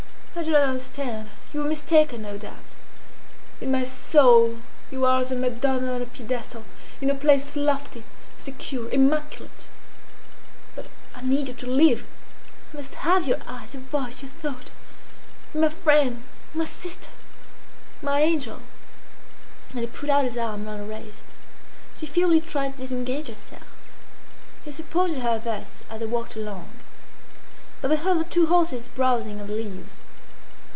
I do not understand. You were mistaken, no doubt. In my soul you are as a Madonna on a pedestal, in a place lofty, secure, immaculate. But I need you to live! I must have your eyes, your voice, your thought! Be my friend, my sister, my angel!" And he put out his arm round her waist. She feebly tried to disengage herself. He supported her thus as they walked along. But they heard the two horses browsing on the leaves.